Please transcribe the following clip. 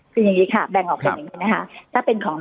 คุณแอ้มใช่ค่ะ